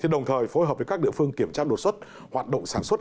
đồng thời phối hợp với các địa phương kiểm tra đột xuất hoạt động sản xuất